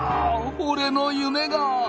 俺の夢が」。